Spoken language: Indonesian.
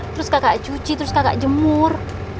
terus kakak cuci terus kakak jemur